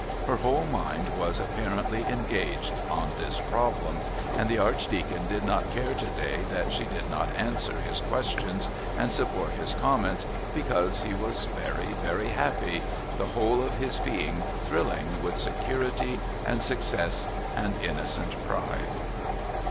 Her whole mind was apparently engaged on this problem, and the Archdeacon did not care to day that she did not answer his questions and support his comments because he was very, very happy, the whole of his being thrilling with security and success and innocent pride.